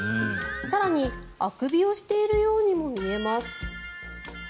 更にあくびをしているようにも見えます。